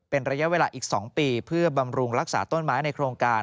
เป็นระยะเวลาอีก๒ปีเพื่อบำรุงรักษาต้นไม้ในโครงการ